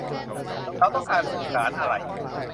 เราต้องการสื่อสารอะไร